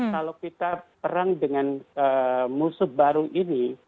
kalau kita perang dengan musuh baru ini